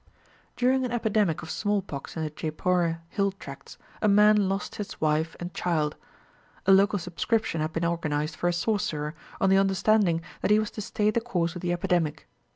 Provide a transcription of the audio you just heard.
During an epidemic of smallpox in the Jeypore hill tracts, a man lost his wife and child. A local subscription had been organised for a sorcerer, on the understanding that he was to stay the course of the epidemic.